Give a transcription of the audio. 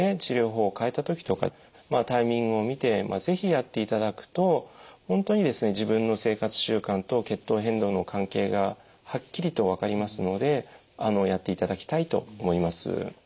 治療法を変えた時とかまあタイミングを見て是非やっていただくと本当にですね自分の生活習慣と血糖変動の関係がはっきりと分かりますのでやっていただきたいと思います。